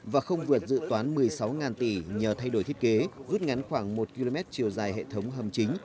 và không vượt dự toán một mươi sáu tỷ nhờ thay đổi thiết kế rút ngắn khoảng một km chiều dài hệ thống hầm chính